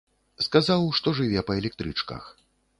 Сказаў, што жыве па электрычках.